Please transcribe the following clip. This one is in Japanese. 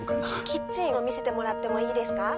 キッチンを見せてもらってもいいですか？